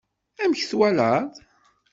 Amek twalaḍ?